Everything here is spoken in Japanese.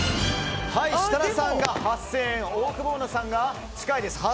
設楽さんが８０００円オオクボーノさんが近いです